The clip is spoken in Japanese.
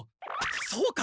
そうか！